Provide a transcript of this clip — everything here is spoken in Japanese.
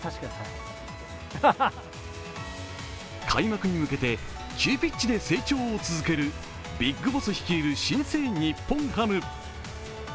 開幕に向けて、急ピッチで成長を続けるビッグボス率いる新生日本ハム。